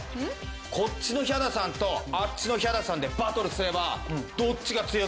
こっちのヒャダさんとあっちのヒャダさんでバトルすれば。